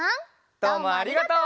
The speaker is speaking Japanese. どうもありがとう！